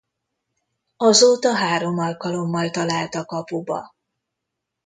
Azóta három alkalommal talált a kapuba.